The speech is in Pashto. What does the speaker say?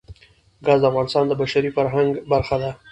ګاز د افغانستان د بشري فرهنګ برخه ده.